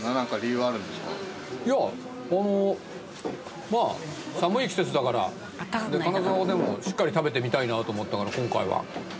いやあのまあ寒い季節だから金澤おでんをしっかり食べてみたいなと思ったから今回は。